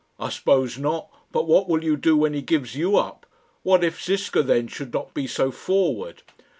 "I suppose not. But what will you do when he gives you up? What if Ziska then should not be so forward?"